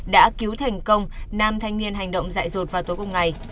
đã cứu thành công năm thanh niên hành động dại dột vào tối cùng ngày